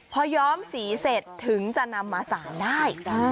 พอย้อมสีเสร็จถึงจะนำมาสารได้